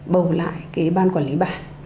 bầu lại cái ban quản lý bản